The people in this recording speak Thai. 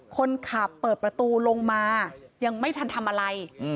คนขับเปิดประตูลงมายังไม่ทันทำอะไร